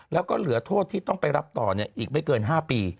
แล้วก็เหลือโทษที่ต้องไปรับต่ออีกไม่เกิน๕ปี